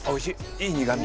いい苦み。